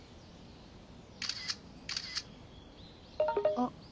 あっ。